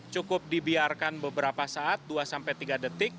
cukup dibiarkan beberapa saat dua sampai tiga detik